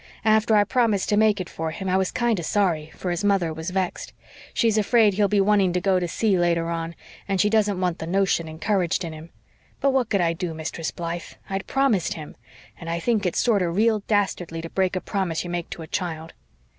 After I promised to make it for him I was kinder sorry, for his mother was vexed. She's afraid he'll be wanting to go to sea later on and she doesn't want the notion encouraged in him. But what could I do, Mistress Blythe? I'd PROMISED him, and I think it's sorter real dastardly to break a promise you make to a child.